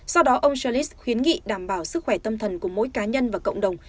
sau đó ông chalice khuyến nghị đảm bảo sức khỏe tâm thần của mỗi cá nhân và cộng đồng